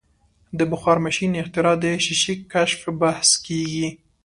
د بخار ماشین اختراع د شیشې کشف بحث کیږي.